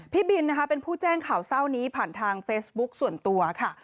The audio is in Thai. พี่บินนะคะเป็นผู้แจ้งข่าวเศร้านี้ผ่านทางเฟซบุ๊คส่วนตัวค่ะ